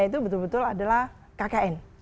itu betul betul adalah kkn